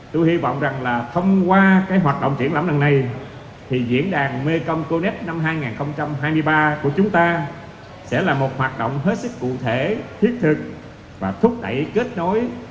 tôi hy vọng rằng là thông qua cái hoạt động triển lãm lần này thì diễn đàn mekong connect năm hai nghìn hai mươi ba của chúng ta sẽ là một hoạt động hết sức cụ thể thiết thực và thúc đẩy kết nối